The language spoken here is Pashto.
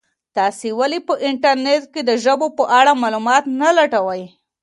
تاسي ولي په انټرنیټ کي د ژبو په اړه معلومات نه لټوئ؟